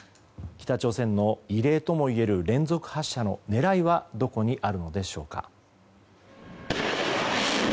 北朝鮮の異例ともいえる連続発射の狙いはどこにあるのでしょうか。